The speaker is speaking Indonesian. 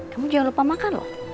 kamu jangan lupa makan loh